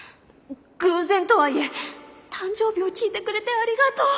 偶然とはいえ誕生日を聞いてくれてありがとう！